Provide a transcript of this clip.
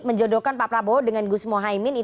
ini menjadikan pak prabowo dengan gus muhaymin